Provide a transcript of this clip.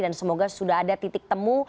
dan semoga sudah ada titik temu